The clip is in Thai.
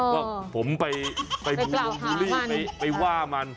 แล้วผมไปเบียบครอบครัวคมมาว่ามัน